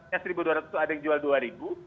yang rp satu dua ratus itu ada yang jual rp dua